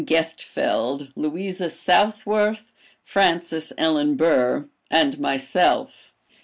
Gestefeld, Louisa Southworth, Frances Ellen Burr, and myself.